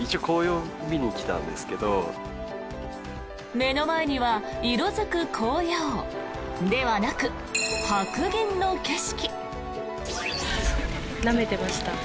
目の前には色付く紅葉ではなく白銀の景色。